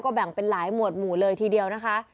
แบ่งเป็นหลายหมวดหมู่เลยทีเดียวนะคะ